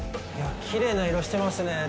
きれいな色してますね。